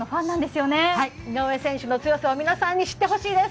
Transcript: はい、井上選手の強さを皆さんに知ってほしいです！